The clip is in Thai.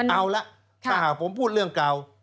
เอาละถ้าหากผมพูดเรื่องเก่า